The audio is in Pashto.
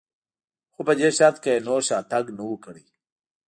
خو په دې شرط که یې نور شاتګ نه و کړی.